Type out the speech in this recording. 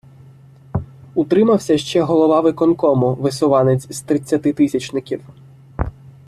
Утримався ще голова виконкому, висуванець з тридцятитисячників.